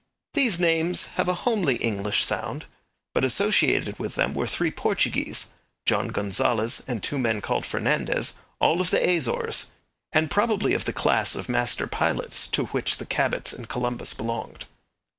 These names have a homely English sound; but associated with them were three Portuguese John Gonzales, and two men called Fernandez, all of the Azores, and probably of the class of master pilots to which the Cabots and Columbus belonged.